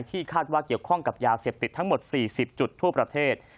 คาดว่าเกี่ยวข้องกับยาเสพติดทั้งหมด๔๐จุดทั่วประเทศ